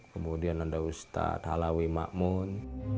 kemudian ada ustad halawi ma'mun